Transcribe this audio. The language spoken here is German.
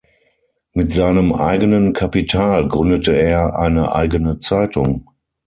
Mit seinem eigenen Kapital gründete er eine eigene Zeitung.